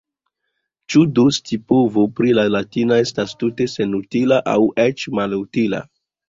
Ĉu do scipovo pri la latina estas tute senutila – aŭ eĉ malutila?